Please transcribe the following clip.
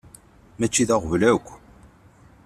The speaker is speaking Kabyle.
Mačči d aɣbel akk.